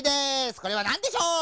これはなんでしょう？